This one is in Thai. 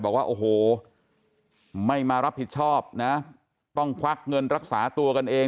บอกว่าโอ้โหไม่มารับผิดชอบนะต้องควักเงินรักษาตัวกันเอง